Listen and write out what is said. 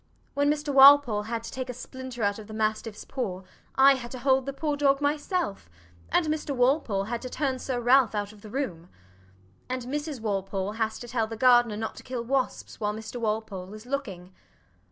When Mr. Walpole had to take a splinter out of the mastiff's paw, I had to hold the poor dog myself; and Mr Walpole had to turn Sir Ralph out of the room. And Mrs. Walpole has to tell the gardener not to kill wasps when Mr. Walpole is looking.